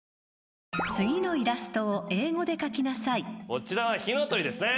こちらは火の鳥ですね。